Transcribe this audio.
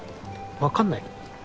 わかんない？